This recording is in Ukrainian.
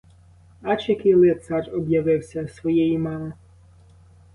Ач, який лицар об'явився своєї мами!